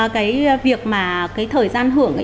cái việc mà cái thời gian hưởng